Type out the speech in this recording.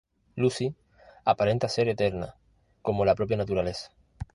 Lucy aparenta ser eterna, como la propia naturaleza.